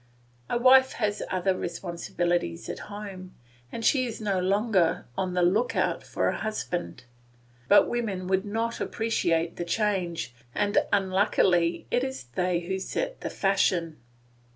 A wife has other responsibilities at home, and she is no longer on the look out for a husband; but women would not appreciate the change, and unluckily it is they who set the fashion.